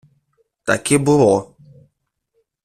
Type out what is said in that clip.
Так і було.